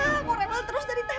kamu rewel terus dari tadi